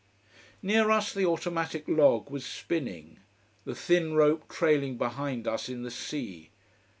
Near us the automatic log was spinning, the thin rope trailing behind us in the sea.